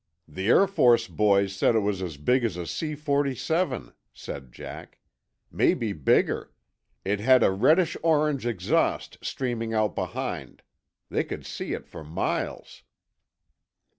"The Air Force boys said it was as big as a C 47," said Jack. "Maybe bigger. It had a reddish orange exhaust streaming out behind. They could see it for miles."